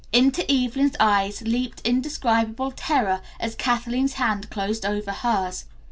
Into Evelyn's eyes leaped indescribable terror as Kathleen's hand closed over hers.